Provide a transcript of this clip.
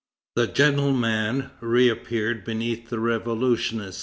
The gentleman reappeared beneath the revolutionist.